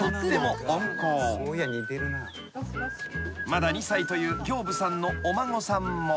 ［まだ２歳という刑部さんのお孫さんも］